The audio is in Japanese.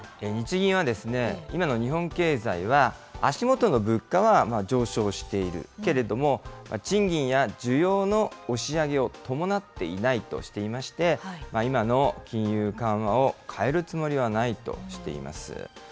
日銀は今の日本経済は足元の物価は上昇しているけれども、賃金や需要の押し上げを伴っていないとしていまして、今の金融緩和を変えるつもりはないとしています。